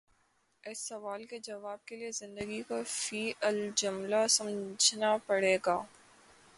اس سوال کے جواب کے لیے زندگی کو فی الجملہ سمجھنا پڑے گا۔